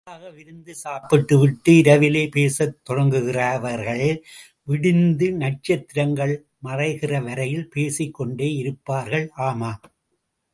நன்றாக விருந்து சாப்பிட்டுவிட்டு, இரவிலே பேசத் தொடங்குகிறவர்கள் விடிந்து நட்சத்திரங்கள் மறைகிற வரையிலே பேசிக் கொண்டே யிருப்பார்கள்! ஆமாம்!